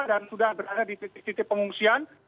dan sudah berada di titik titik pengungsian